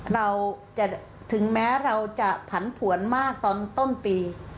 เราจะถึงแม้เราจะผันผวนมากตอนต้นปี